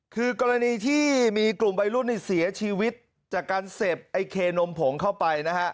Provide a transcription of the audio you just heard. คือกรณีที่มีกลุ่มวัยรุ่นเสียชีวิตจากการเสพไอเคนมผงเข้าไปนะฮะ